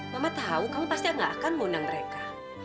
mama tau kamu pasti nggak akan mengundang mereka